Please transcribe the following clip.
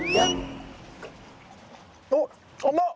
おっ甘っ！